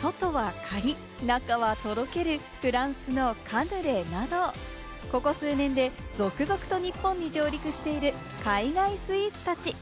外はカリッ、中はとろけるフランスのカヌレなど、ここ数年で続々と日本に上陸している、海外スイーツたち。